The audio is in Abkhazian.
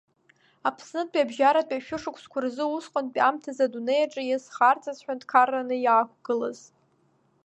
Аԥсны абжьаратәи ашәышықәсақәа рзы, усҟантәи аамҭазы адунеи аҿы иазхарҵаз ҳәынҭқарраны иаақәгылаз…